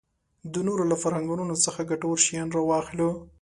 د نورو له فرهنګونو څخه ګټور شیان راواخلو.